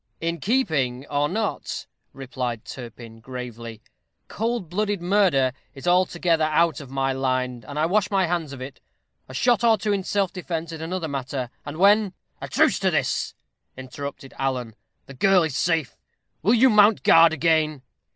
"In keeping or not," replied Turpin, gravely, "cold blooded murder is altogether out of my line, and I wash my hands of it. A shot or two in self defence is another matter; and when " "A truce to this," interrupted Alan; "the girl is safe. Will you mount guard again?"